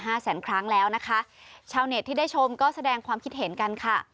แสนครั้งแล้วนะคะชาวเน็ตที่ได้ชมก็แสดงความคิดเห็นกันค่ะ